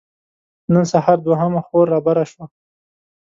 نن سهار دوهمه خور رابره شوه.